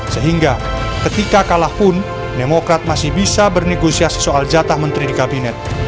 sehingga ketika kalah pun demokrat masih bisa bernegosiasi soal jatah menteri di kabinet